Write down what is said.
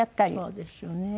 そうですよね。